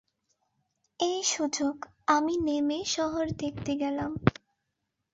এই সুযোগ আমি নেমে শহর দেখতে গেলাম।